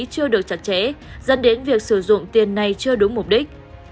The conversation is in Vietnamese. chưa được chặt chẽ dẫn đến việc sử dụng tiền này chưa đúng mục đích